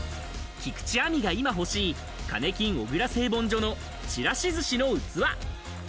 菊地亜美が今欲しいカネキン小椋製盆所のちらし寿司の器。